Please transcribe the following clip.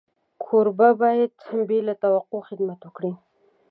کوربه باید بې له توقع خدمت وکړي.